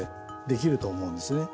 できると思うんですね。